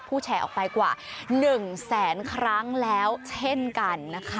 แชร์ออกไปกว่า๑แสนครั้งแล้วเช่นกันนะคะ